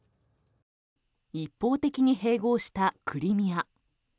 一方的に併合したクリミア。